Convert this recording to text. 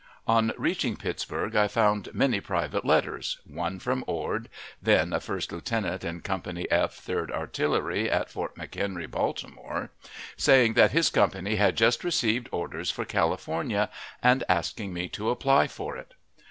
On reaching Pittsburg I found many private letters; one from Ord, then a first lieutenant in Company F, Third Artillery, at Fort McHenry, Baltimore, saying that his company had just received orders for California, and asking me to apply for it.